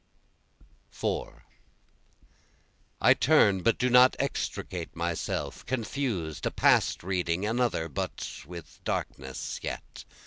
4 I turn but do not extricate myself, Confused, a past reading, another, but with darkness yet.